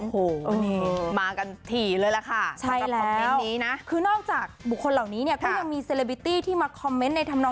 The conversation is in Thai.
โอ้โหมากันที่เลยละค่ะ